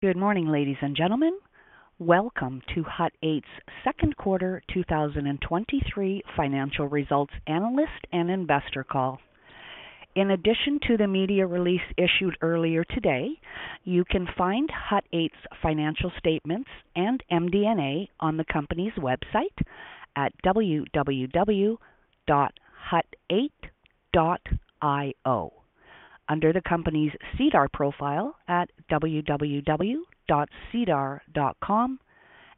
Good morning, ladies and gentlemen. Welcome to Hut 8's Second Quarter 2023 financial results analyst and investor call. In addition to the media release issued earlier today, you can find Hut 8's financial statements and MD&A on the company's website at www.hut8.io, under the company's SEDAR profile at www.sedar.com,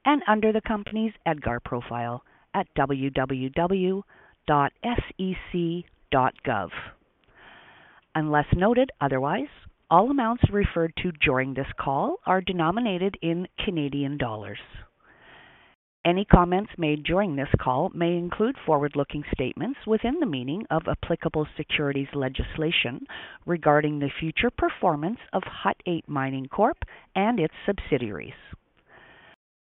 and under the company's EDGAR profile at www.sec.gov. Unless noted otherwise, all amounts referred to during this call are denominated in Canadian dollars. Any comments made during this call may include forward-looking statements within the meaning of applicable securities legislation regarding the future performance of Hut 8 Mining Corp and its subsidiaries.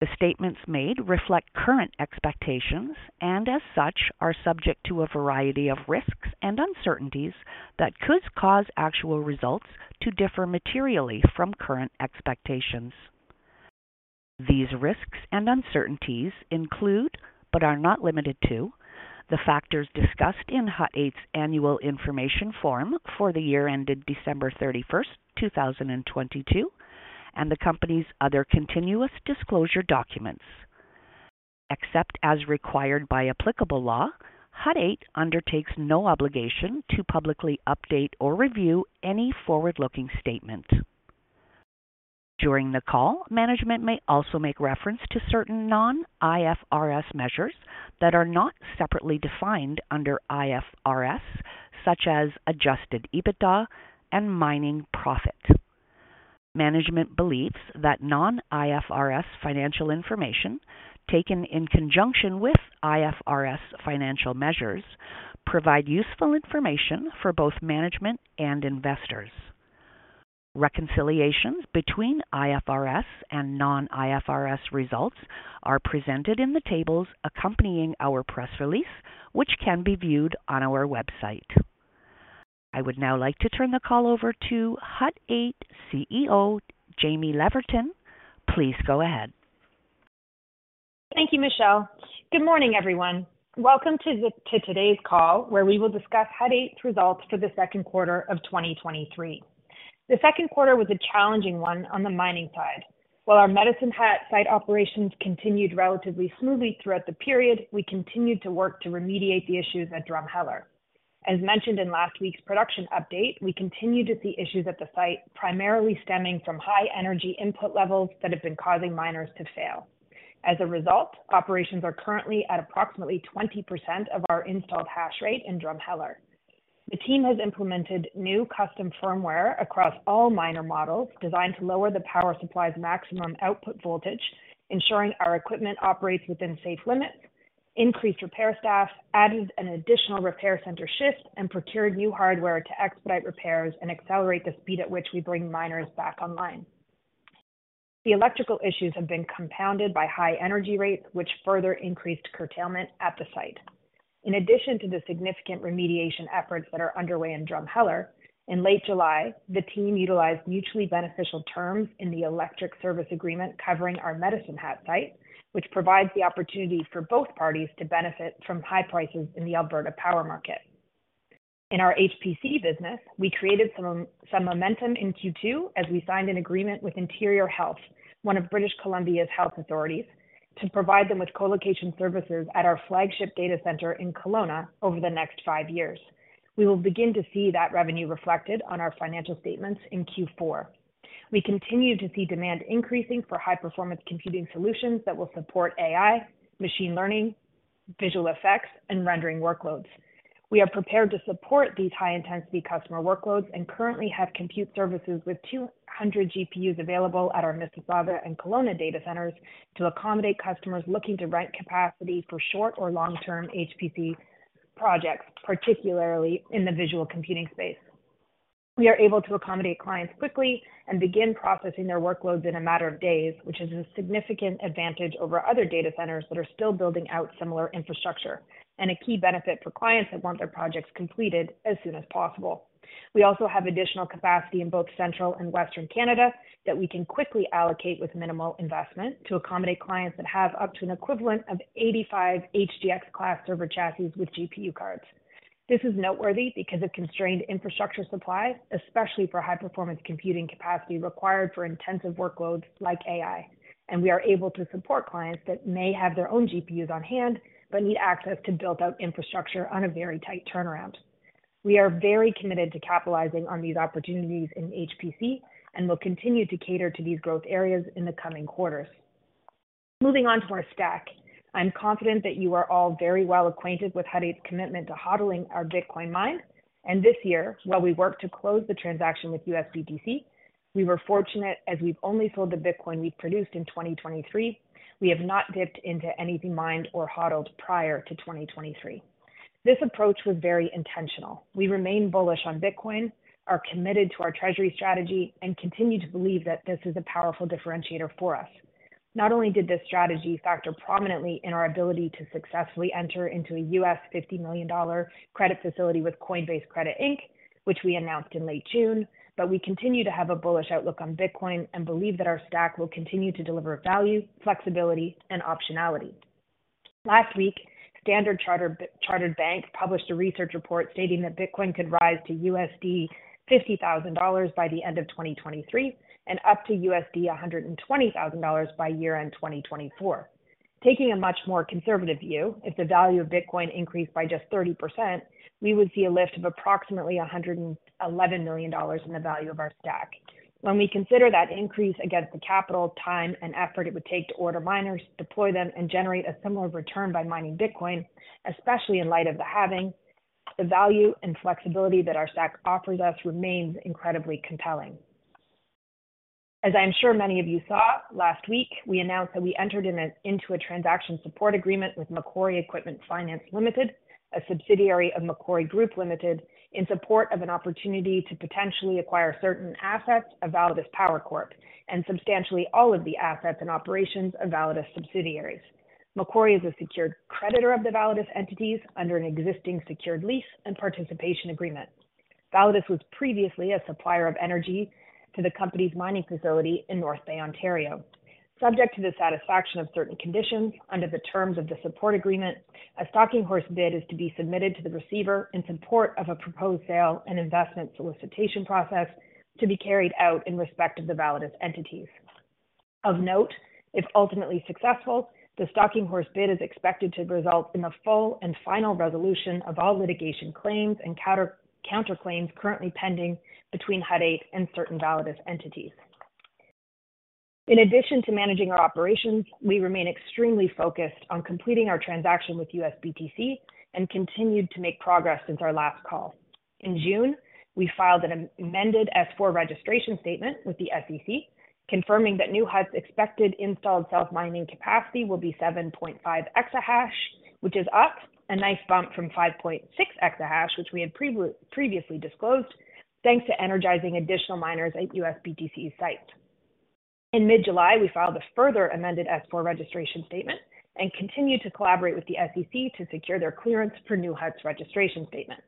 The statements made reflect current expectations and, as such, are subject to a variety of risks and uncertainties that could cause actual results to differ materially from current expectations. These risks and uncertainties include, but are not limited to, the factors discussed in Hut 8's Annual Information Form for the year ended December 31st, 2022, and the Company's other continuous disclosure documents. Except as required by applicable law, Hut 8 undertakes no obligation to publicly update or review any forward-looking statement. During the call, management may also make reference to certain non-IFRS measures that are not separately defined under IFRS, such as adjusted EBITDA and Mining Profit. Management believes that non-IFRS financial information, taken in conjunction with IFRS financial measures, provide useful information for both management and investors. Reconciliations between IFRS and non-IFRS results are presented in the tables accompanying our press release, which can be viewed on our website. I would now like to turn the call over to Hut 8 CEO, Jamie Leverton. Please go ahead. Thank you, Michelle. Good morning, everyone. Welcome to today's call, where we will discuss Hut 8's results for the second quarter of 2023. The second quarter was a challenging one on the mining side. While our Medicine Hat site operations continued relatively smoothly throughout the period, we continued to work to remediate the issues at Drumheller. As mentioned in last week's production update, we continued to see issues at the site, primarily stemming from high energy input levels that have been causing miners to fail. As a result, operations are currently at approximately 20% of our installed hash rate in Drumheller. The team has implemented new custom firmware across all miner models designed to lower the power supply's maximum output voltage, ensuring our equipment operates within safe limits, increased repair staff, added an additional repair center shift, and procured new hardware to expedite repairs and accelerate the speed at which we bring miners back online. The electrical issues have been compounded by high energy rates, which further increased curtailment at the site. In addition to the significant remediation efforts that are underway in Drumheller, in late July, the team utilized mutually beneficial terms in the electric service agreement covering our Medicine Hat site, which provides the opportunity for both parties to benefit from high prices in the Alberta power market. In our HPC business, we created some momentum in Q2 as we signed an agreement with Interior Health, one of British Columbia's health authorities, to provide them with co-location services at our flagship data center in Kelowna over the next five years. We will begin to see that revenue reflected on our financial statements in Q4. We continue to see demand increasing for high-performance computing solutions that will support AI, machine learning, visual effects, and rendering workloads. We are prepared to support these high-intensity customer workloads and currently have compute services with 200 GPUs available at our Mississauga and Kelowna data centers to accommodate customers looking to rent capacity for short or long-term HPC projects, particularly in the visual computing space. We are able to accommodate clients quickly and begin processing their workloads in a matter of days, which is a significant advantage over other data centers that are still building out similar infrastructure and a key benefit for clients that want their projects completed as soon as possible. We also have additional capacity in both central and western Canada that we can quickly allocate with minimal investment to accommodate clients that have up to an equivalent of 85 HGX class server chassis with GPU cards. This is noteworthy because of constrained infrastructure supply, especially for high-performance computing capacity required for intensive workloads like AI, and we are able to support clients that may have their own GPUs on hand, but need access to built-out infrastructure on a very tight turnaround. We are very committed to capitalizing on these opportunities in HPC and will continue to cater to these growth areas in the coming quarters. Moving on to our stack. I'm confident that you are all very well acquainted with Hut 8's commitment to HODLing our Bitcoin mine, and this year, while we work to close the transaction with USBTC, we were fortunate as we've only sold the Bitcoin we produced in 2023. We have not dipped into anything mined or HODLed prior to 2023. This approach was very intentional. We remain bullish on Bitcoin, are committed to our treasury strategy, and continue to believe that this is a powerful differentiator for us. Not only did this strategy factor prominently in our ability to successfully enter into a $50 million credit facility with Coinbase Credit, Inc, which we announced in late June, but we continue to have a bullish outlook on Bitcoin and believe that our stack will continue to deliver value, flexibility, and optionality. Last week, Standard Chartered Bank published a research report stating that Bitcoin could rise to $50,000 by the end of 2023, and up to $120,000 by year-end 2024. Taking a much more conservative view, if the value of Bitcoin increased by just 30%, we would see a lift of approximately $111 million in the value of our stack. When we consider that increase against the capital, time, and effort it would take to order miners, deploy them, and generate a similar return by mining Bitcoin, especially in light of the halving, the value and flexibility that our stack offers us remains incredibly compelling. As I'm sure many of you saw, last week, we announced that we entered into a transaction support agreement with Macquarie Equipment Finance Limited, a subsidiary of Macquarie Group Limited, in support of an opportunity to potentially acquire certain assets of Validus Power Corp and substantially all of the assets and operations of Validus subsidiaries. Macquarie is a secured creditor of the Validus entities under an existing secured lease and participation agreement. Validus was previously a supplier of energy to the company's mining facility in North Bay, Ontario. Subject to the satisfaction of certain conditions under the terms of the support agreement, a Stalking Horse bid is to be submitted to the receiver in support of a proposed Sale and Investment Solicitation Process to be carried out in respect of the Validus entities. Of note, if ultimately successful, the Stalking Horse bid is expected to result in the full and final resolution of all litigation claims and counter, counterclaims currently pending between Hut 8 and certain Validus entities. In addition to managing our operations, we remain extremely focused on completing our transaction with USBTC and continued to make progress since our last call. In June, we filed an amended S-4 registration statement with the SEC, confirming that New Hut's expected installed self-mining capacity will be 7.5 exahash, which is up a nice bump from 5.6 exahash, which we had previously disclosed, thanks to energizing additional miners at USBTC site. In mid-July, we filed a further amended S-4 registration statement, continued to collaborate with the SEC to secure their clearance for New Hut's registration statement.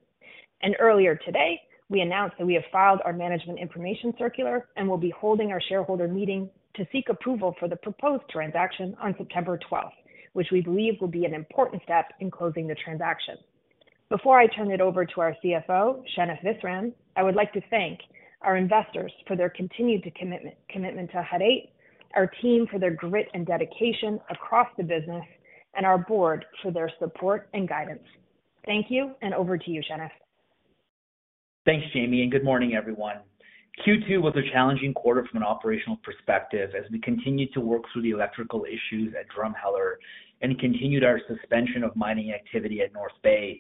Earlier today, we announced that we have filed our Management Information Circular and will be holding our shareholder meeting to seek approval for the proposed transaction on September 12th, which we believe will be an important step in closing the transaction. Before I turn it over to our CFO, Shenif Visram, I would like to thank our investors for their continued to commitment, commitment to Hut 8, our team for their grit and dedication across the business, and our board for their support and guidance. Thank you. Over to you, Shenif. Thanks, Jamie, and good morning, everyone. Q2 was a challenging quarter from an operational perspective, as we continued to work through the electrical issues at Drumheller and continued our suspension of mining activity at North Bay.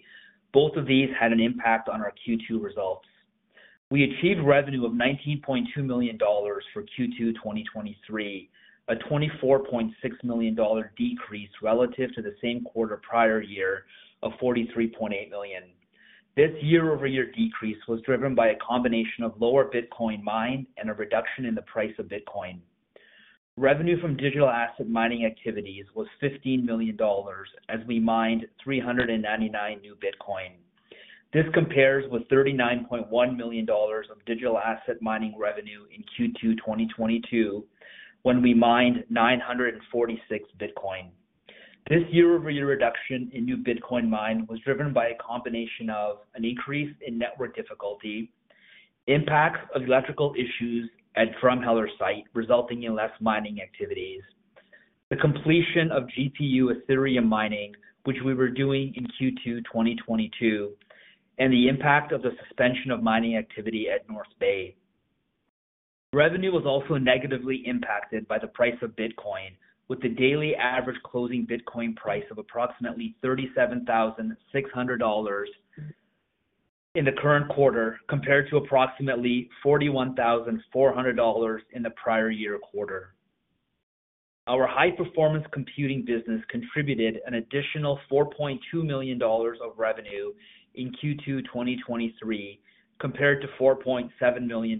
Both of these had an impact on our Q2 results. We achieved revenue of $19.2 million for Q2 2023, a $24.6 million decrease relative to the same quarter prior year of $43.8 million. This year-over-year decrease was driven by a combination of lower Bitcoin mined and a reduction in the price of Bitcoin. Revenue from digital asset mining activities was $15 million, as we mined 399 new Bitcoin. This compares with $39.1 million of digital asset mining revenue in Q2 2022, when we mined 946 Bitcoin. This year-over-year reduction in new Bitcoin mined was driven by a combination of an increase in network difficulty, impacts of electrical issues at Drumheller site, resulting in less mining activities, the completion of GPU Ethereum mining, which we were doing in Q2, 2022, and the impact of the suspension of mining activity at North Bay. Revenue was also negatively impacted by the price of Bitcoin, with the daily average closing Bitcoin price of approximately $37,600 in the current quarter, compared to approximately $41,400 in the prior-year quarter. Our high-performance computing business contributed an additional $4.2 million of revenue in Q2, 2023, compared to $4.7 million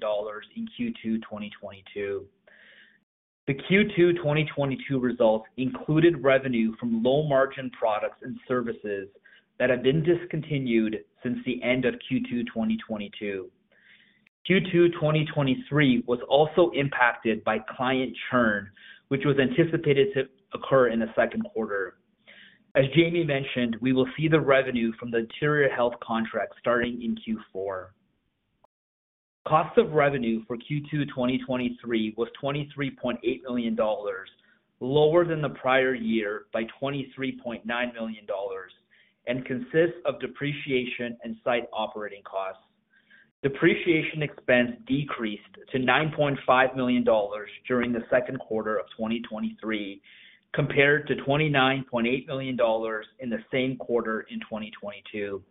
in Q2, 2022. The Q2, 2022 results included revenue from low-margin products and services that have been discontinued since the end of Q2, 2022. Q2, 2023, was also impacted by client churn, which was anticipated to occur in the second quarter. As Jamie mentioned, we will see the revenue from the Interior Health contract starting in Q4. Cost of revenue for Q2, 2023, was $23.8 million, lower than the prior year by $23.9 million and consists of depreciation and site operating costs. Depreciation expense decreased to $9.5 million during the second quarter of 2023, compared to $29.8 million in the same quarter in 2022.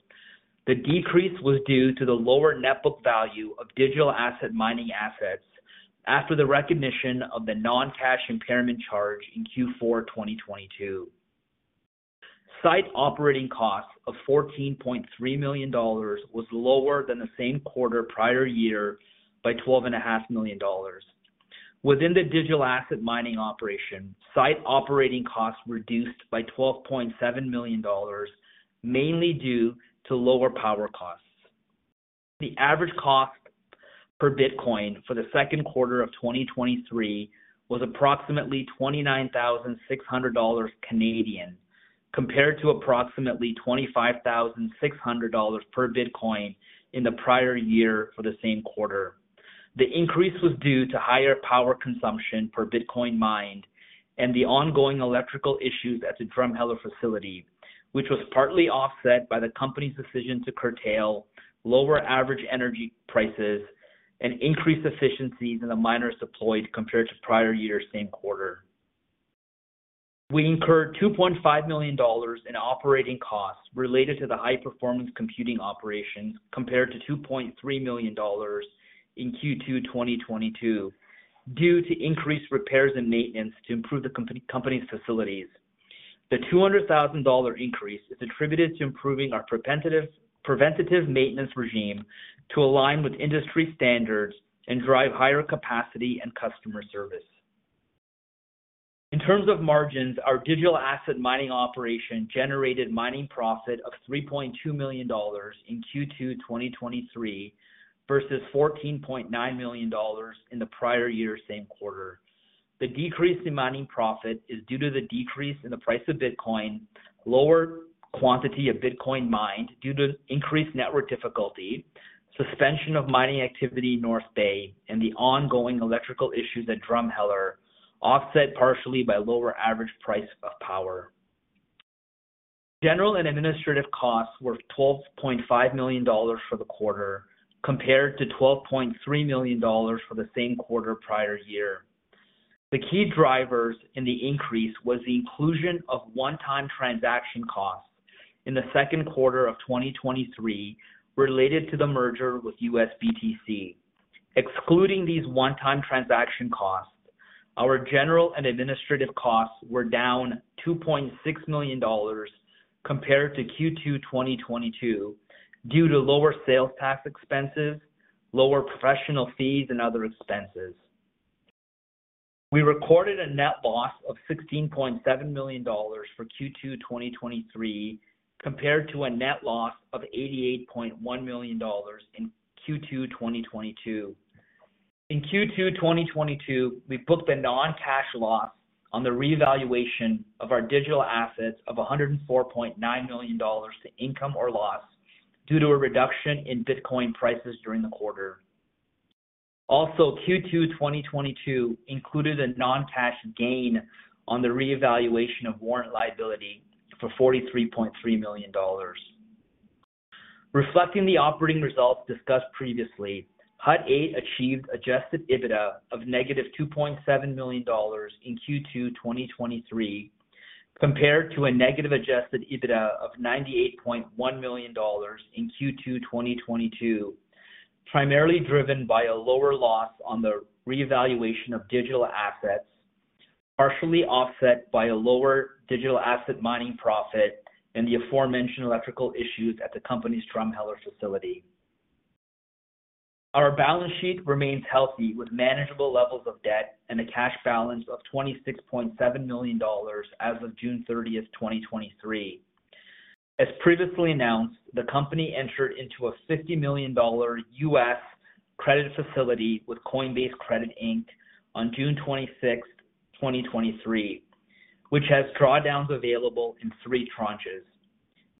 The decrease was due to the lower net book value of digital asset mining assets after the recognition of the non-cash impairment charge in Q4, 2022. Site operating costs of $14.3 million was lower than the same quarter prior year by $12.5 million. Within the digital asset mining operation, site operating costs reduced by 12.7 million dollars, mainly due to lower power costs. The average cost per Bitcoin for the second quarter of 2023 was approximately 29,600 Canadian dollars, compared to approximately 25,600 dollars per Bitcoin in the prior year for the same quarter. The increase was due to higher power consumption per Bitcoin mined and the ongoing electrical issues at the Drumheller facility, which was partly offset by the company's decision to curtail lower average energy prices and increase efficiencies in the miners deployed compared to prior year same quarter. We incurred 2.5 million dollars in operating costs related to the high-performance computing operation, compared to 2.3 million dollars in Q2 2022, due to increased repairs and maintenance to improve the company's facilities. The $200,000 increase is attributed to improving our preventative, preventative maintenance regime to align with industry standards and drive higher capacity and customer service. In terms of margins, our digital asset mining operation generated Mining Profit of $3.2 million in Q2 2023 versus $14.9 million in the prior year same quarter. The decrease in Mining Profit is due to the decrease in the price of Bitcoin, lower quantity of Bitcoin mined due to increased network difficulty, suspension of mining activity in North Bay, and the ongoing electrical issues at Drumheller, offset partially by lower average price of power. General and administrative costs were $12.5 million for the quarter, compared to $12.3 million for the same quarter prior year. The key drivers in the increase was the inclusion of one-time transaction costs in the second quarter of 2023 related to the merger with USBTC. Excluding these one-time transaction costs, our general and administrative costs were down $2.6 million compared to Q2 2022, due to lower sales tax expenses, lower professional fees, and other expenses. We recorded a net loss of $16.7 million for Q2 2023, compared to a net loss of $88.1 million in Q2 2022. In Q2 2022, we booked a non-cash loss on the revaluation of our digital assets of $104.9 million to income or loss due to a reduction in Bitcoin prices during the quarter. Also, Q2 2022 included a non-cash gain on the revaluation of warrant liability for $43.3 million. Reflecting the operating results discussed previously, Hut 8 achieved adjusted EBITDA of negative $2.7 million in Q2 2023, compared to a negative adjusted EBITDA of negative $98.1 million in Q2 2022, primarily driven by a lower loss on the revaluation of digital assets, partially offset by a lower digital asset Mining Profit and the aforementioned electrical issues at the company's Drumheller facility. Our balance sheet remains healthy, with manageable levels of debt and a cash balance of $26.7 million as of June 30, 2023. As previously announced, the company entered into a $50 million U.S. credit facility with Coinbase Credit Inc on June 26, 2023, which has drawdowns available in three tranches.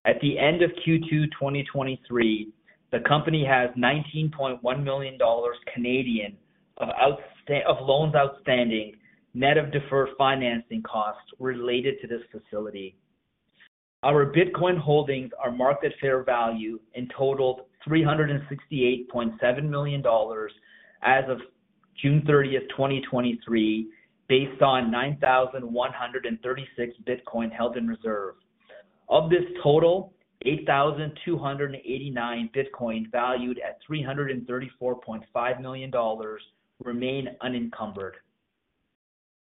At the end of Q2 2023, the company has 19.1 million Canadian dollars of loans outstanding, net of deferred financing costs related to this facility. Our Bitcoin holdings are market fair value and totaled $368.7 million as of June 30, 2023, based on 9,136 Bitcoin held in reserve. Of this total, 8,289 Bitcoin, valued at $334.5 million, remain unencumbered.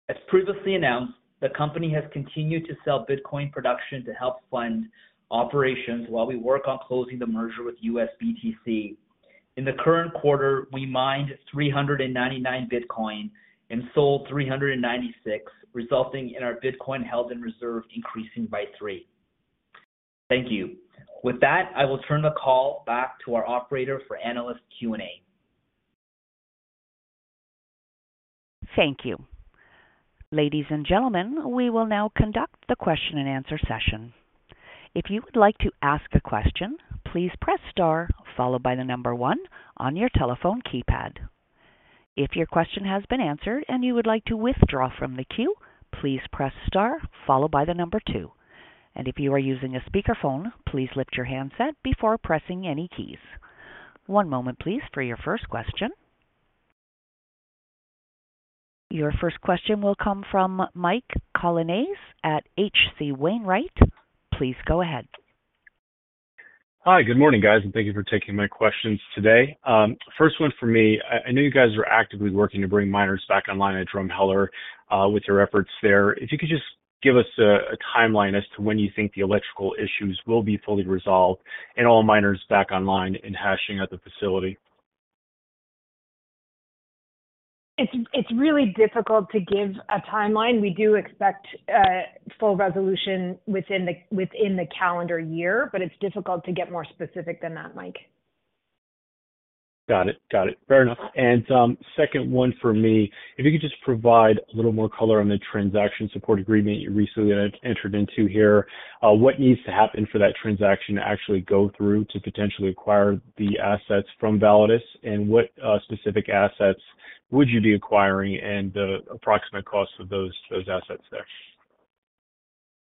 As previously announced, the company has continued to sell Bitcoin production to help fund operations while we work on closing the merger with USBTC. In the current quarter, we mined 399 Bitcoin and sold 396, resulting in our Bitcoin held in reserve increasing by 3. Thank you. With that, I will turn the call back to our operator for analyst Q&A. Thank you. Ladies and gentlemen, we will now conduct the question-and-answer session. If you would like to ask a question, please press star followed by one on your telephone keypad. If your question has been answered and you would like to withdraw from the queue, please press star followed by two. If you are using a speakerphone, please lift your handset before pressing any keys. One moment, please, for your first question. Your first question will come from Mike Colonnese at H.C. Wainwright. Please go ahead. Hi, good morning, guys, and thank you for taking my questions today. First one for me, I, I know you guys are actively working to bring miners back online at Drumheller with your efforts there. If you could just give us a timeline as to when you think the electrical issues will be fully resolved and all miners back online and hashing at the facility? It's, it's really difficult to give a timeline. We do expect full resolution within the, within the calendar year, but it's difficult to get more specific than that, Mike. Got it. Got it. Fair enough. Second one for me, if you could just provide a little more color on the transaction support agreement you recently entered into here. What needs to happen for that transaction to actually go through to potentially acquire the assets from Validus? What, specific assets would you be acquiring and the approximate cost of those assets there?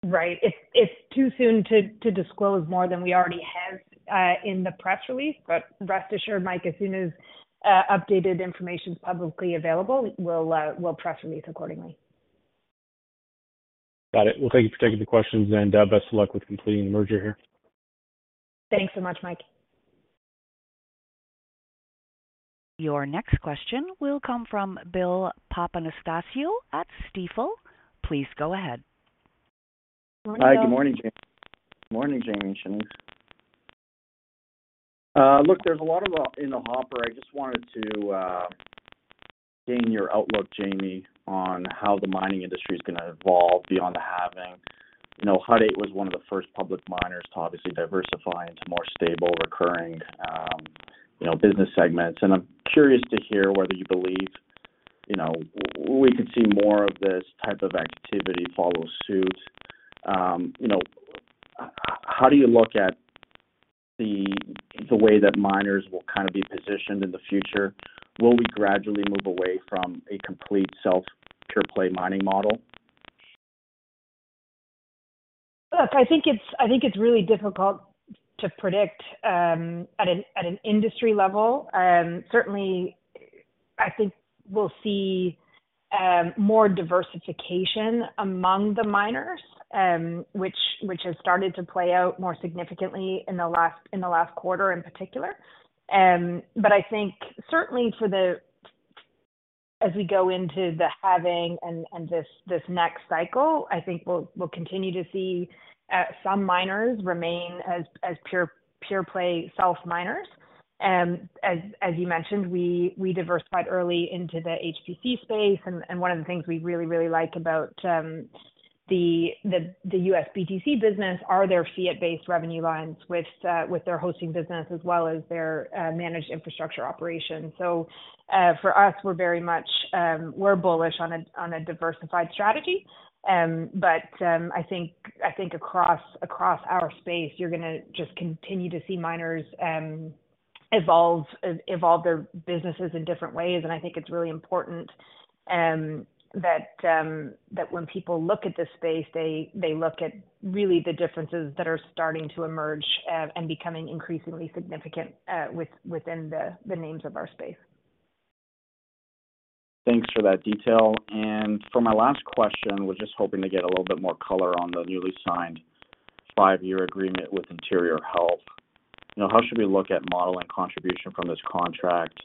Right. It's, it's too soon to, to disclose more than we already have in the press release. Rest assured, Mike, as soon as updated information is publicly available, we'll press release accordingly. Got it. Well, thank you for taking the questions, best of luck with completing the merger here. Thanks so much, Mike. Your next question will come from Bill Papanastasiou at Stifel. Please go ahead. Good morning, Bill. Hi, good morning, Jamie. Morning, Jamie and Shenif. Look, there's a lot of in the hopper. I just wanted to gain your outlook, Jamie, on how the mining industry is gonna evolve beyond the halving. You know, Hut 8 was one of the first public miners to obviously diversify into more stable, recurring, you know, business segments. And I'm curious to hear whether you believe, you know, we could see more of this type of activity follow suit. You know, how do you look at the, the way that miners will kind of be positioned in the future? Will we gradually move away from a complete self-pure play mining model? Look, I think it's, I think it's really difficult to predict, at an, at an industry level. Certainly, I think we'll see, more diversification among the miners, which, which has started to play out more significantly in the last, in the last quarter in particular. But I think certainly for the-- as we go into the halving and, and this, this next cycle, I think we'll, we'll continue to see, some miners remain as, as pure, pure play self miners. As, as you mentioned, we, we diversified early into the HPC space, and, and one of the things we really, really like about, the, the, the USBTC business are their fiat-based revenue lines with, with their hosting business, as well as their, managed infrastructure operations. For us, we're very much, we're bullish on a, on a diversified strategy. I think, I think across, across our space, you're gonna just continue to see miners, evolve, evolve their businesses in different ways. I think it's really important, that, that when people look at this space, they, they look at really the differences that are starting to emerge, and becoming increasingly significant, within the, the names of our space. Thanks for that detail. For my last question, was just hoping to get a little bit more color on the newly signed 5-year agreement with Interior Health. You know, how should we look at modeling contribution from this contract?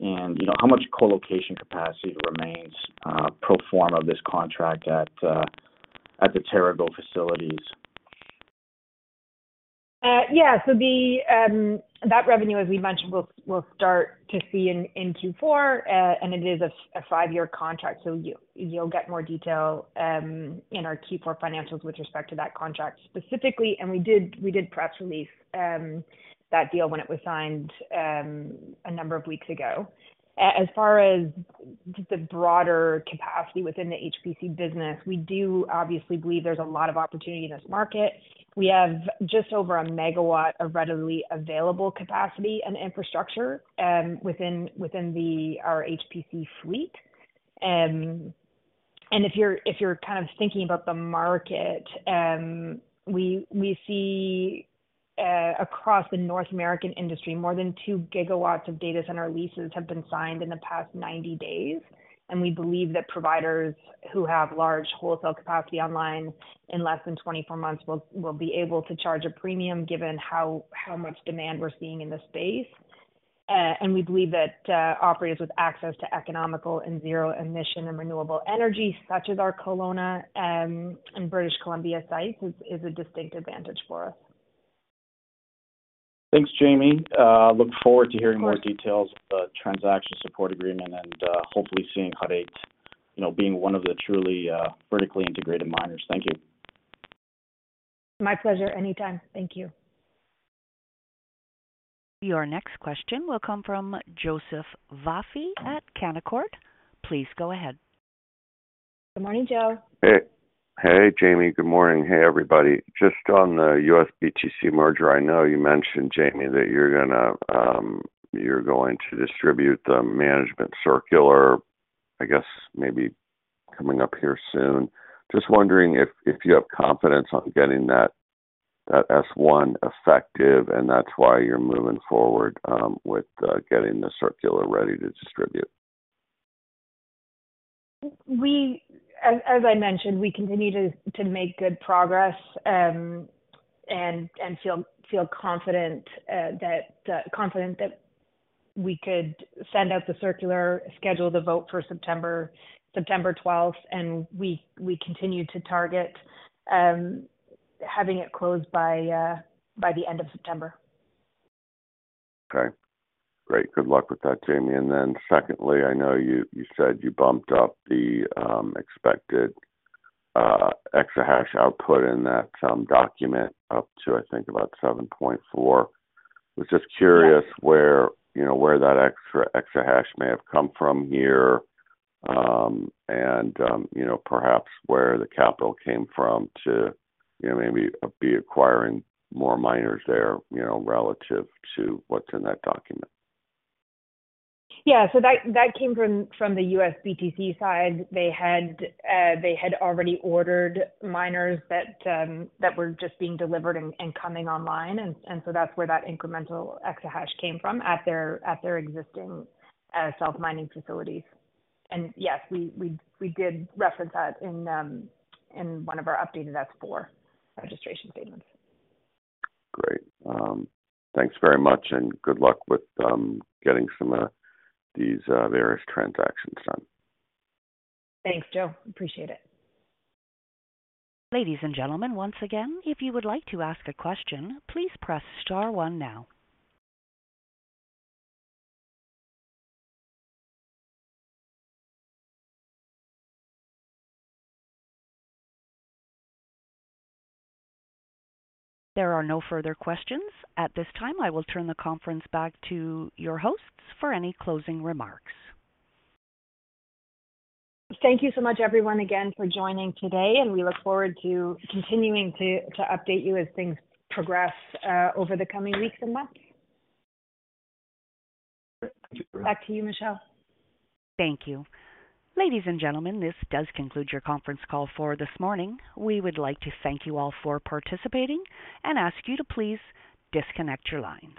And you know, how much co-location capacity remains pro forma of this contract at, at the TeraGo facilities? Yeah. The, that revenue, as we mentioned, we'll, we'll start to see in, in Q4, and it is a five-year contract, so you, you'll get more detail in our Q4 financials with respect to that contract specifically. As far as just the broader capacity within the HPC business, we do obviously believe there's a lot of opportunity in this market. We have just over 1 MW of readily available capacity and infrastructure within, within the, our HPC fleet. If you're, if you're kind of thinking about the market, we, we see across the North American industry, more than 2 GW of data center leases have been signed in the past 90 days. We believe that providers who have large wholesale capacity online in less than 24 months will, will be able to charge a premium, given how, how much demand we're seeing in this space. We believe that operators with access to economical and zero emission and renewable energy, such as our Kelowna and British Columbia sites, is, is a distinct advantage for us. Thanks, Jamie. Look forward to hearing more details of the transaction support agreement and, hopefully seeing Hut 8, you know, being one of the truly, vertically integrated miners. Thank you. My pleasure. Anytime. Thank you. Your next question will come from Joseph Vafi at Canaccord. Please go ahead. Good morning, Joe. Hey, hey, Jamie. Good morning. Hey, everybody. Just on the USBTC merger, I know you mentioned, Jamie, that you're going to distribute the management circular, I guess maybe coming up here soon. Just wondering if, if you have confidence on getting that, that S-1 effective, and that's why you're moving forward, with getting the circular ready to distribute? We, as I mentioned, we continue to make good progress, and feel confident that we could send out the circular, schedule the vote for September 12th, and we continue to target having it closed by the end of September. Okay, great. Good luck with that, Jamie. Secondly, I know you, you said you bumped up the expected exahash output in that document up to, I think, about 7.4. Was just curious where, you know, where that extra exahash may have come from here, and, you know, perhaps where the capital came from to, you know, maybe be acquiring more miners there, you know, relative to what's in that document? Yeah. That, that came from, from the USBTC side. They had, they had already ordered miners that were just being delivered and coming online, and so that's where that incremental exahash came from, at their existing self-mining facilities. Yes, we, we, we did reference that in one of our updated S-4 registration statements. Great. Thanks very much, and good luck with getting some these various transactions done. Thanks, Joe. Appreciate it. Ladies and gentlemen, once again, if you would like to ask a question, please press star one now. There are no further questions. At this time, I will turn the conference back to your hosts for any closing remarks. Thank you so much, everyone, again for joining today. We look forward to continuing to, to update you as things progress over the coming weeks and months. Back to you, Michelle. Thank you. Ladies and gentlemen, this does conclude your conference call for this morning. We would like to thank you all for participating and ask you to please disconnect your lines.